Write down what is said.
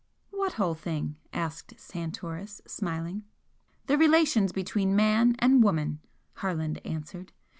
"What whole thing?" asked Santoris, smiling. "The relations between man and woman," Harland answered.